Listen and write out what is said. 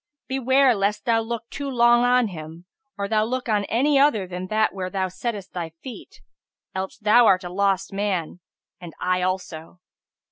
Beware lest thou look too long on him, or thou look on any other than that where thou settest thy feet: else thou art a lost man, and I also."